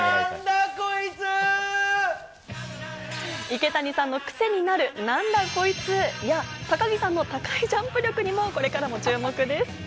池谷さんのクセになるなんだこいつや高木さんの高いジャンプ力にもこれからも注目です。